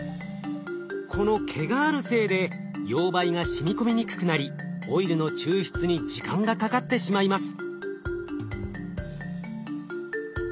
この毛があるせいで溶媒がしみ込みにくくなりオイルの抽出に時間がかかってしまいます。